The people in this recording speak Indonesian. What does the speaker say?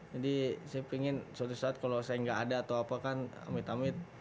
jadi saya pingin suatu saat kalau saya gak ada atau apa kan amit amit